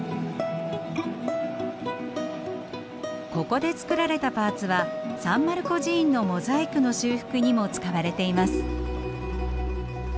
ここで作られたパーツはサン・マルコ寺院のモザイクの修復にも使われています。